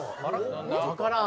わからん！